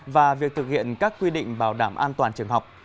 và việc thực hiện các quy định bảo đảm an toàn trường học